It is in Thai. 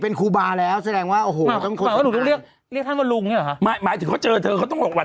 เหมือนว่าอยู่เท่าไหร่อเรนนี่ใช่หนู๓๐